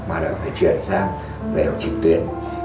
mà đã phải chuyển sang dạy học trực tuyến